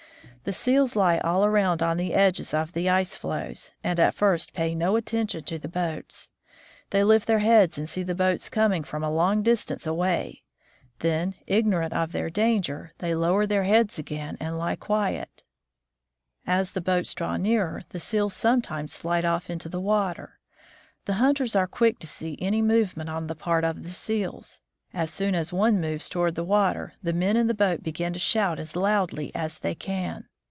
The seals lie all around on the edges of the ice floes, and at first pay no attention to the boats. They lift their heads and see the boats coming from a long distance away; then, ignorant NANSEN CROSSES GREENLAND 109 of their danger, they lower their heads again and lie quiet. As the boats draw nearer, the seals sometimes slide off into the water. The hunters are quick to see any move ment on the part of the seals. As soon as one moves toward the water, the men in the boat begin to shout as loudly as they can.